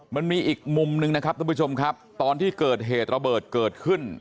มันมีอีกมุมนึงนะครับทุกผู้ชมครับตอนที่เกิดเหตุระเบิดเกิดขึ้น